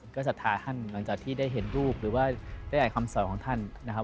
ก็ศรัทธาท่านหลังจากที่ได้เห็นรูปหรือว่าได้อ่านคำสอนของท่านนะครับ